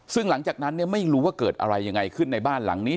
ซึ่งหลังจากนั้นเนี่ยไม่รู้ว่าเกิดอะไรยังไงขึ้นในบ้านหลังนี้